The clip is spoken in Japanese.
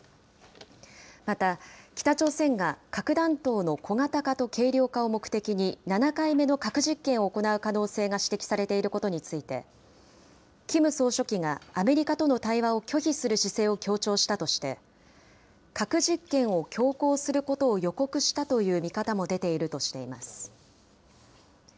また、北朝鮮が核弾頭の小型化と軽量化を目的に、７回目の核実験を行う可能性が指摘されていることについて、キム総書記がアメリカとの対話を拒否する姿勢を強調したとして、核実験を強行することを予告したという見方も出ているとしています。